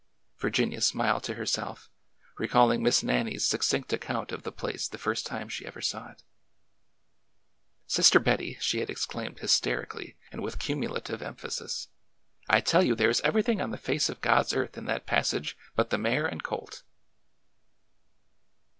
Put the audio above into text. Virginia smiled to herself, recalling Miss Nannie's succinct account of the place the first time she ever saw it. Sister Bettie !" she had exclaimed hysterically and with cumulative emphasis, I tell you there is everything on the face of God's earth in that passage but the mare and colt